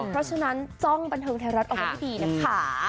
เพราะฉะนั้นจ้องบันเทิงไทยรัฐเอาไว้ให้ดีนะคะ